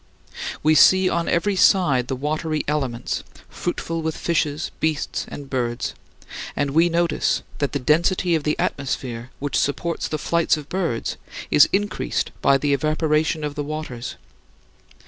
We see on every side the watery elements, fruitful with fishes, beasts, and birds and we notice that the density of the atmosphere which supports the flights of birds is increased by the evaporation of the waters.